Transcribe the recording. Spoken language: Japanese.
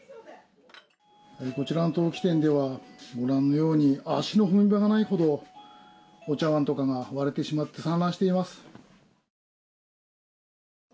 こちらの陶器店ではご覧のように足の踏み場ないほどお茶碗とかが割れてしまって散乱しています。